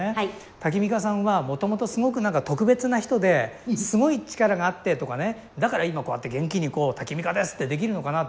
タキミカさんはもともとすごく何か特別な人ですごい力があってとかねだから今こうやって元気にこう「タキミカです！」ってできるのかな